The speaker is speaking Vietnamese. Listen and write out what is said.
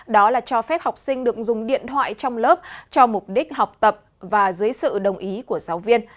đó là cho phép học sinh được dùng điện thoại trong lớp cho mục đích học tập và dưới sự đồng ý của giáo viên